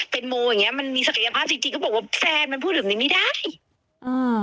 เป็นโมอย่างเงี้มันมีศักยภาพจริงจริงก็บอกว่าแฟนมันพูดแบบนี้ไม่ได้อืม